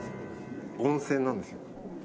温泉なんですよ。